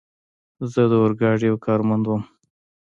زه د اورګاډي یو کارمند ووم.